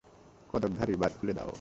কদক ধারি, বাঁধ খুলে দাও।